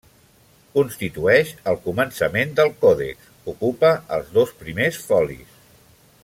Constitueix el començament del còdex, ocupa els dos primers folis.